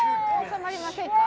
治まりませんか？